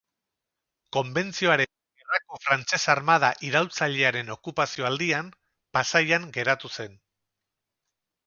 Konbentzioaren Gerrako frantses armada iraultzailearen okupazio aldian, Pasaian geratu zen.